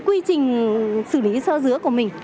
quy trình xử lý sơ dứa của mình